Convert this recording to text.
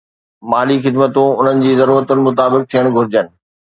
مالي خدمتون انهن جي ضرورتن مطابق ٿيڻ گهرجن